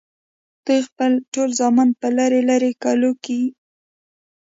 دوي خپل ټول زامن پۀ لرې لرې کلو کښې